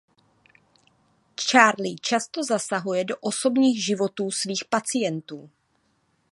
Charlie často zasahuje do osobních životů svých pacientů.